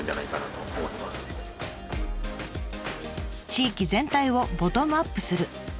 地域全体をボトムアップする。